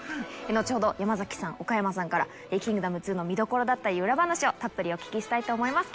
後ほど山さん岡山さんから『キングダム２』の見どころだったり裏話をたっぷりお聞きしたいと思います